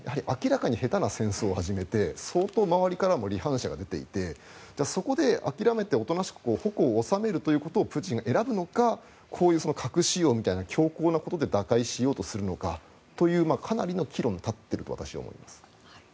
明らかに下手な戦争を始めて相当、周りからも離反者が出ていてそこで諦めておとなしく矛を収めるということをプーチンが選ぶのかこういう核使用みたいな強硬なことで打開しようとするのかというかなりの岐路に立っていると私は思います。